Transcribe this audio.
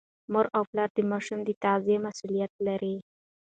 مور او پلار د ماشوم د تغذیې مسؤلیت لري.